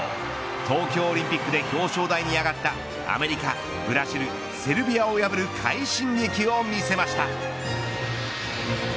東京オリンピックで表彰台に上がったアメリカ、ブラジル、セルビアを破る快進撃を見せました。